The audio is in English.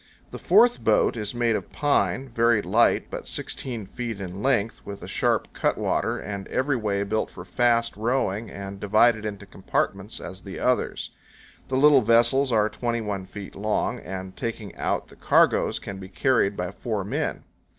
The fourth boat is made of pine, very light, but 16 feet in length, with a sharp cutwater, and every way built for fast rowing, and divided into compartments as the others. The little vessels are 21 feet long, and, taking out the cargoes, can be carried by four men.